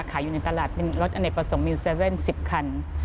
ขายอยู่ในตลาดเป็นรถอันไหนประสงค์มิว๗๑๐คัน